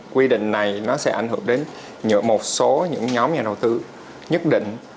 quy định này nó sẽ ảnh hưởng đến một số những nhóm nhà đầu tư nhất định